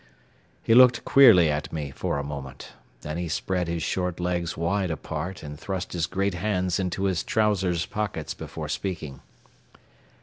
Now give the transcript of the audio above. He looked queerly at me for a moment; then he spread his short legs wide apart, and thrust his great hands into his trousers pockets before speaking.